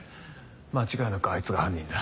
間違いなくあいつが犯人だ。